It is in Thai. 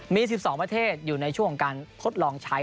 มี๑๒ประเทศอยู่ในช่วงของการทดลองใช้